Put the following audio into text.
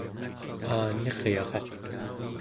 Aaniryaraq